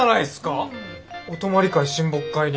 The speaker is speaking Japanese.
お泊まり会親睦会で。